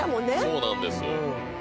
そうなんです。